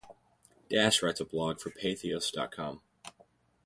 Dash writes a blog for Patheos dot com.